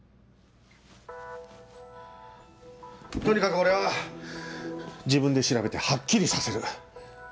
とにかく俺は自分で調べてはっきりさせる。